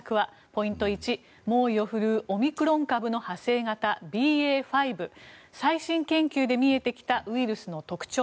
ポイント１、猛威を振るうオミクロン株の派生型ＢＡ．５最新研究で見えてきたウイルスの特徴。